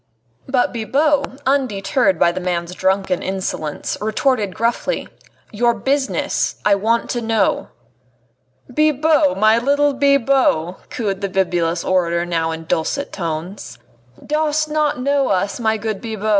But Bibot, undeterred by the man's drunken insolence, retorted gruffly: "Your business, I want to know." "Bibot! my little Bibot!" cooed the bibulous orator now in dulcet tones, "dost not know us, my good Bibot?